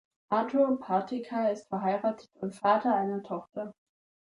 Artur Partyka ist verheiratet und Vater einer Tochter.